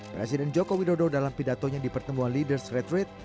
presiden joko widodo dalam pidatonya di pertemuan leaders retreat